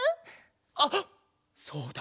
あっそうだ！